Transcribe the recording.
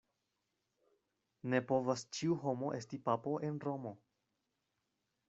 Ne povas ĉiu homo esti papo en Romo.